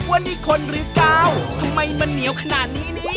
วันนี้คนหรือกาวทำไมมันเหนียวขนาดนี้นี่